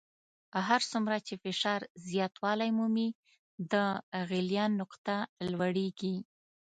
هر څومره چې فشار زیاتوالی مومي د غلیان نقطه لوړیږي.